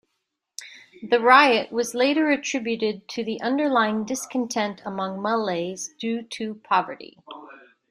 The riot was later attributed to the underlying discontent among Malays due to poverty.